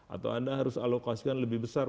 atau anda harus alokasikan lebih besar